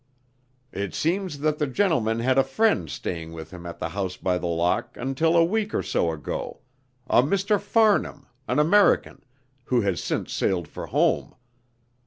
"It seems that the gentleman had a friend staying with him at the House by the Lock until a week or so ago a Mr. Farnham, an American who has since sailed for home.